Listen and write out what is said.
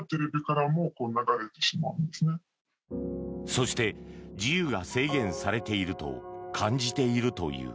そして自由が制限されていると感じているという。